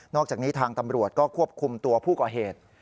อกจากนี้ทางตำรวจก็ควบคุมตัวผู้ก่อเหตุ